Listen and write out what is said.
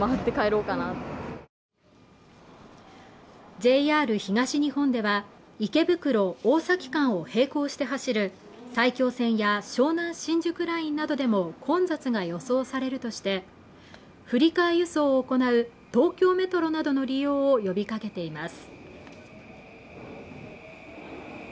ＪＲ東日本では池袋大崎間を並行して走る埼京線や湘南新宿ラインなどでも混雑が予想されるとして振り替え輸送を行う東京メトロなどの利用を呼びかけています